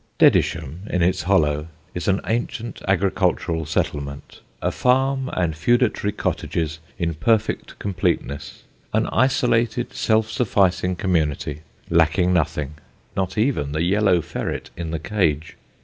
Dedisham, in its hollow, is an ancient agricultural settlement: a farm and feudatory cottages in perfect completeness, an isolated self sufficing community, lacking nothing not even the yellow ferret in the cage.